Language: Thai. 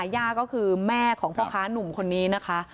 ย่าก็คือแม่ของพ่อค้านุ่มคนนี้นะคะ